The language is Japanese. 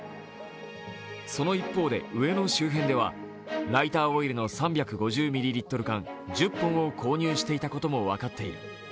その一方で、上野周辺ではライターオイルの３５０ミリリットル缶１０本を購入していたことも分かっている。